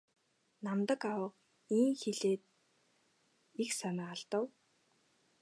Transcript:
Намдаг авга ийн хэлээд их санаа алдав.